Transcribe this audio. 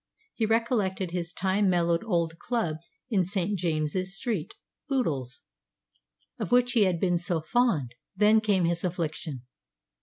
He recollected his time mellowed old club in St. James's Street Boodle's of which he had been so fond. Then came his affliction.